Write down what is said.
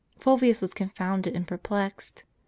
* Fulvius was confounded and perplexed.